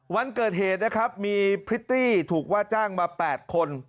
วันเกิดเหตุนะครับมีพริตตี้ถูกว่าจ้างมา๘คน